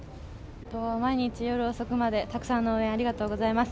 毎日、夜遅くまでたくさんの応援ありがとうございます。